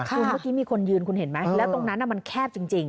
คุณเมื่อกี้มีคนยืนคุณเห็นไหมแล้วตรงนั้นมันแคบจริง